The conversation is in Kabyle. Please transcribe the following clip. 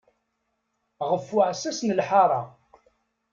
Ɣef uɛessas n lḥara.